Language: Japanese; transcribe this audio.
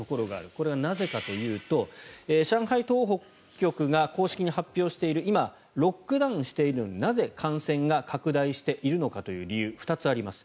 これはなぜかというと上海当局が公式に発表している今、ロックダウンしているのになぜ、感染が拡大しているのかという理由２つあります。